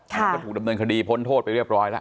ก็จะถูกดำเนินคดีพ้นโทษไปเรียบร้อยแล้ว